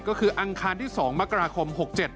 ก็คืออังคารที่๒มกราคม๖๗